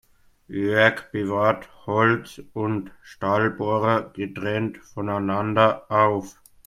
Jörg bewahrt Holz- und Stahlbohrer getrennt voneinander auf.